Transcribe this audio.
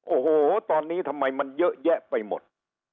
โอ้โหตอนนี้ทำไมมันเยอะแยะไปหมด